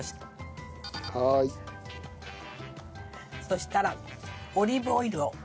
そしたらオリーブオイルを。